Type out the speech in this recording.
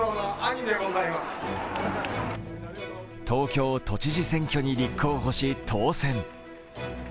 東京都知事選挙に立候補し、当選。